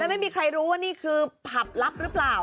ไม่มีใครรู้ว่านี่คือผับลับหรือเปล่า